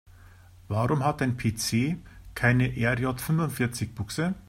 Warum hat dein PC keine RJ-fünfundvierzig-Buchse?